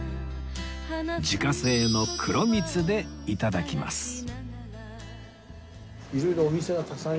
いただきます。